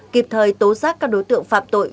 kịp thời tố giác các đối tượng phạm tội